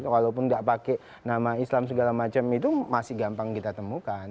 walaupun tidak pakai nama islam segala macam itu masih gampang kita temukan